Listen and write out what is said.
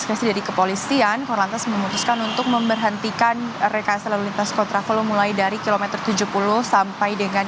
kilometer tujuh puluh sampai dengan